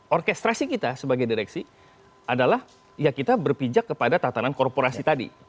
orkestrasi kita sebagai direksi adalah ya kita berpijak kepada tatanan korporasi tadi